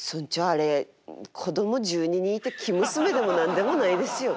あれ子供１２人いて生娘でも何でもないですよ。